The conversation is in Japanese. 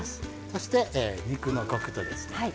そして肉のコクとですね